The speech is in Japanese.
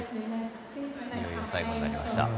いよいよ最後になりました。